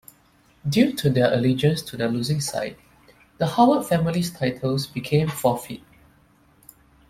Due to their alliegance to the losing side, the Howard family's titles became forfeit.